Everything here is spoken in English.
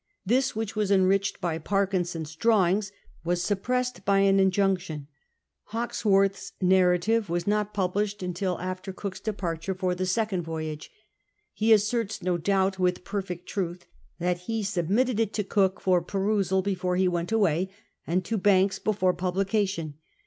This, which was enriched by Parkin son's drawings, was suppressed by an injunction. Hawkesworth's narrative was not published until after Cook's departure for the second voyage. He asserts, no doubt with perfect truth, that ho submitted it to Cook for perusal before he went away, and to Banks before publication.